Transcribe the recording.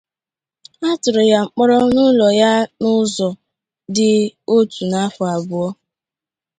A tụrụ ya mkpọrọ n'ụlọ ya n'ụzọ dị otu a afọ abụọ.